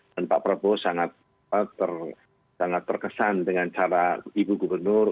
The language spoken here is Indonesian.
dan pak prabowo sangat terkesan dengan cara ibu gubernur